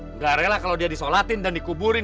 nggak rela kalau dia disolatin dan dikuburin